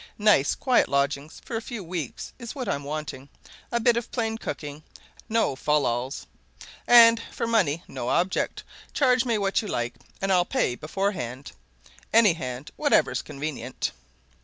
Nice, quiet lodgings for a few weeks is what I'm wanting a bit of plain cooking no fal lals. And as for money no object! Charge me what you like, and I'll pay beforehand, any hand, whatever's convenient."